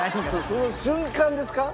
その瞬間ですか？